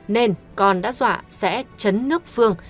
nên còn đã dọa sẽ chấn nước phương